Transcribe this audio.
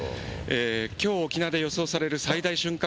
きょう沖縄で予想される最大瞬間